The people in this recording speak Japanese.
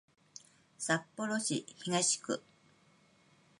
札幌市東区